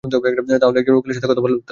তাহলে একজন উকিলের সাথে কথা বলতে পারি।